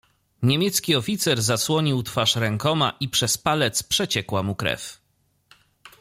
"Niemiecki oficer zasłonił twarz rękoma i przez palec przeciekła mu krew."